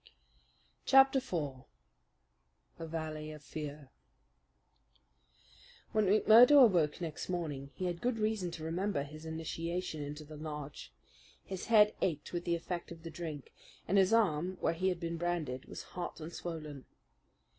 Chapter 4 The Valley of Fear When McMurdo awoke next morning he had good reason to remember his initiation into the lodge. His head ached with the effect of the drink, and his arm, where he had been branded, was hot and swollen.